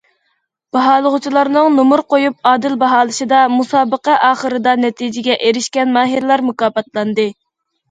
باھالىغۇچىلارنىڭ نومۇر قويۇپ ئادىل باھالىشىدا، مۇسابىقە ئاخىرىدا نەتىجىگە ئېرىشكەن ماھىرلار مۇكاپاتلاندى.